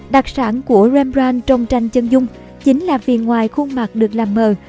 đặc sản của rembrand trong tranh chân dung chính là vì ngoài khuôn mặt được làm mờ